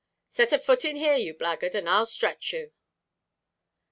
"Set a foot in here, you blackguard, and I'll stretch you!"